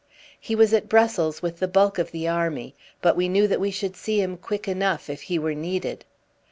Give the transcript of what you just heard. He was at Brussels with the bulk of the army, but we knew that we should see him quick enough if he were needed.